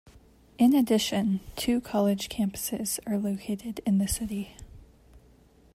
In addition, two college campuses are located in the city.